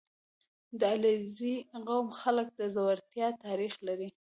• د علیزي قوم خلک د زړورتیا تاریخ لري.